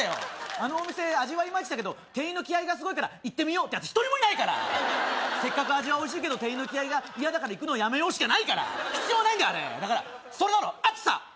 あのお店味はイマイチだけど店員の気合がすごいから行ってみようってヤツ１人もいないからせっかく味はおいしいけど店員の気合が嫌だから行くのやめようしかないから必要ないんだあれだからそれだろアツさ